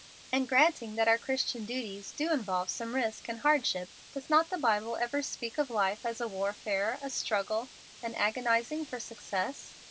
"And granting that our Christian duties do involve some risk and hardship, does not the Bible ever speak of life as a warfare, a struggle, an agonizing for success?